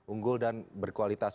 unggul dan berkualitas